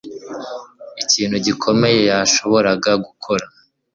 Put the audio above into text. Ikintu gikomeye yashoboraga gukora